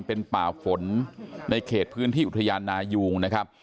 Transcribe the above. เป็นป่าฝนในเขตพื้นที่อุทยานนายุงนะครับ